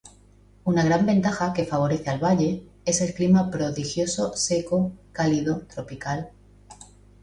Una gran ventaja que favorece al valle, es el clima prodigioso seco, cálido, tropical.